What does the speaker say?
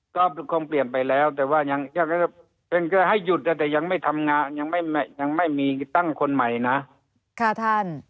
ก็คงเปลี่ยนไปแล้วแต่ว่ายังให้หยุดแต่ยังไม่ทำงานยังไม่มีตั้งคนใหม่นะค่ะท่าน